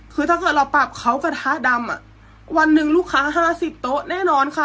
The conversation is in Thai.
คือถ้าเกิดเราปรับเขากระทะดำวันหนึ่งลูกค้า๕๐โต๊ะแน่นอนค่ะ